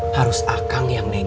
harus akang yang nego